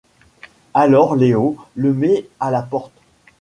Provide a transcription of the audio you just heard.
Alors Leo le met à la porte.